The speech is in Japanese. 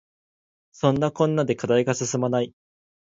そんなこんなで課題が進まない